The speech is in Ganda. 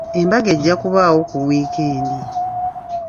Embaga ejja kubaayo ku wiikendi.